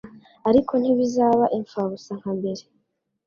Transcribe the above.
ariko ntibizaba imfabusa nkambere